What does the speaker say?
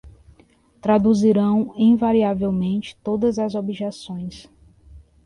Traduzirão invariavelmente todas as objeções